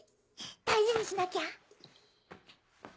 大事にしなきゃ。